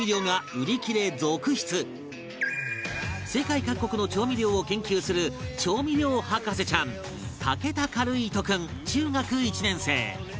世界各国の調味料を研究する調味料博士ちゃん竹田かるぃーと君中学１年生